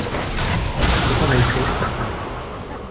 Toto nejsou uprchlíci.